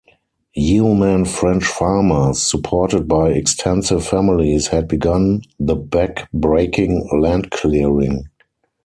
Yeoman French farmers, supported by extensive families, had begun the back-breaking land clearing.